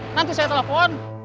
nanti saya telepon